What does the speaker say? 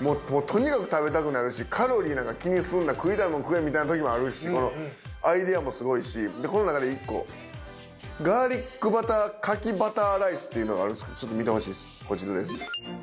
もうとにかく食べたくなるしカロリーなんか気にすんな食いたいもん食えみたいなときもあるしアイデアもすごいしこの中で１個ガーリック牡蠣バターライスっていうのがあるんですけどちょっと見てほしいですこちらです。